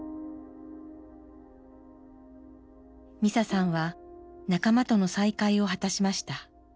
ミサさんは仲間との再会を果たしました。